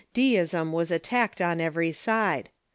Deism was attacked on every side.